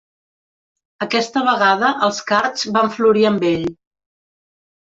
Aquesta vegada, els Cards van florir amb ell.